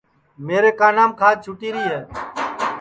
میرے کانام کھاج چھُوٹِیری ہے